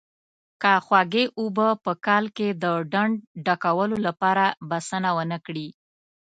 که خوږې اوبه په کال کې د ډنډ ډکولو لپاره بسنه ونه کړي.